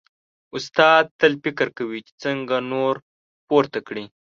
استاد تل فکر کوي چې څنګه نور پورته کړي.